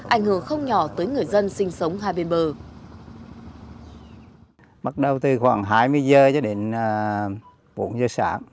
ảnh hưởng không nhỏ tới người dân sinh sống hai bên bờ